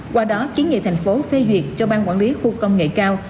qua đó kiến nghị thành phố phê duyệt cho ban quản lý khu công nghệ cao